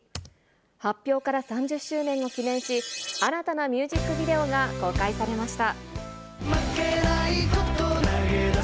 発表から３０周年を記念し、新たなミュージックビデオが公開されました。